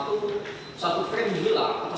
atau satu frame berubah